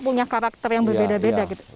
punya karakter yang berbeda beda gitu